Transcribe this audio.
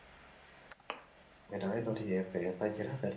Dena den hori epe ertainera gerta liteke.